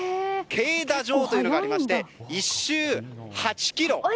競駝場というものがありまして１周８ｋｍ。